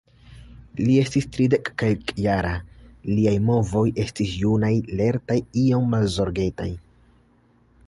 Li estis tridekkelkjara, liaj movoj estis junaj, lertaj, iom malzorgetaj.